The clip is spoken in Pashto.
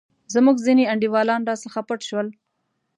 زموږ ځیني انډیوالان راڅخه پټ شول.